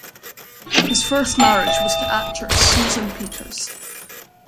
His first marriage was to actress Susan Peters.